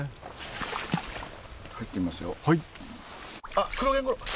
あっクロゲンゴロウ！